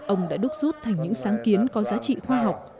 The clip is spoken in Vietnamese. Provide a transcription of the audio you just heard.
ông đã đúc rút thành những sáng kiến có giá trị khoa học